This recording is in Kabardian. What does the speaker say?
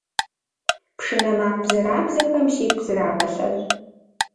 Пшынэ макъ бзэрабзэхэм сигу зырагъэлъэщӏ.